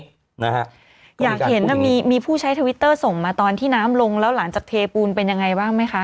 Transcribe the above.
อยากเห็นมีผู้ใช้ทวิตเตอร์ส่งมาตอนที่น้ำลงแล้วหลังจากเทปูนเป็นยังไงบ้างไหมคะ